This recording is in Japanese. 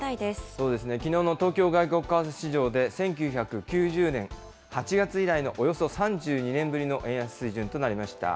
そうですね、きのうの東京外国為替市場で、１９９０年８月以来のおよそ３２年ぶりの円安水準となりました。